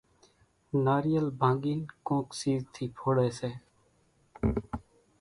ناريل ڀانڳين ڪونڪ سيز ٿي ڦوڙي سي